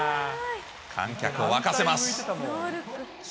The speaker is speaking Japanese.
観客を沸かせます。